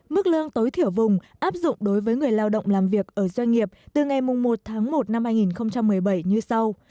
mức lương tối thiểu vùng áp dụng đối với người lao động làm việc ở doanh nghiệp từ ngày một tháng một năm hai nghìn một mươi bảy như sau